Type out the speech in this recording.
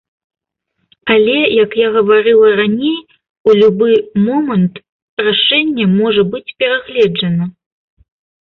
Але як я гаварыла раней, у любы момант рашэнне можа быць перагледжана.